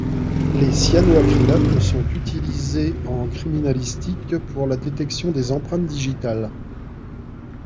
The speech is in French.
Les cyanoacrylates sont utilisés en criminalistique pour la détection des empreintes digitales.